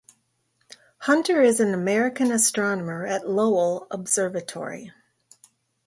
Hunter is an American astronomer at Lowell Observatory.